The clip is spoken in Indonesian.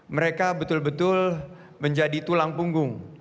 mereka betul betul menjadi tulang punggung